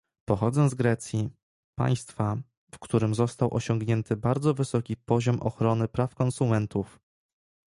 Pochodzę z Grecji, państwa, w którym został osiągnięty bardzo wysoki poziom ochrony praw konsumentów